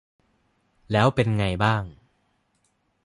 แล้วเป็นไงบ้าง